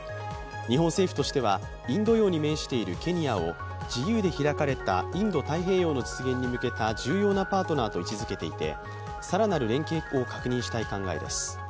日本政府としては、インド洋に面しているケニアを自由で開かれたインド太平洋の実現に向けた重要なパートナーと位置づけていて、更なる連携を確認したい考えです。